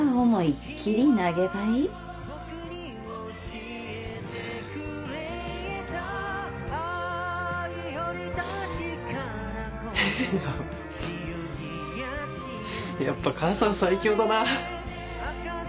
やっぱやっぱ母さん最強だな。